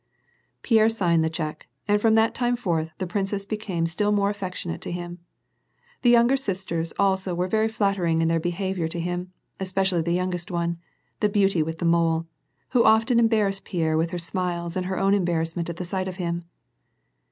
PieiTe signed the check, and from that time forth the princess became still more affectionate to him. The younger sisters also were very flattering in their behavior to him; especially the youngest one — the beauty with the mole — who often embarrassed Pierre with her smiles and her own embarrassment at the sight of him.